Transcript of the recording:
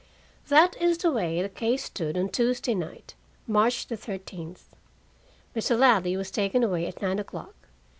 That is the way the case stood on Tuesday night, March the thirteenth. Mr. Ladley was taken away at nine o'clock.